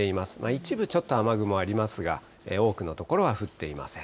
一部ちょっと雨雲ありますが、多くの所は降っていません。